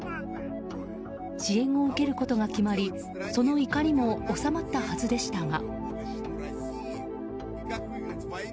支援を受けることが決まりその怒りも収まったはずでしたが。